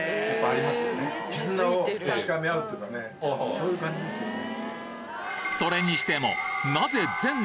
そういう感じですよね。